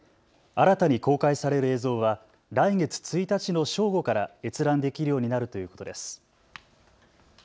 新たに公開される映像は来月１日の正午から閲覧できるようになるということです。